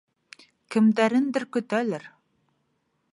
Кемдәреңдер көтәлер.